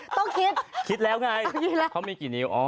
ต้องคิดแล้วไงอ๋ออยู่แล้วเขามีกี่นิ้ว